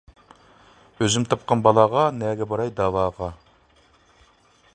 ئۆزۈم تاپقان بالاغا، نەگە باراي دەۋاغا.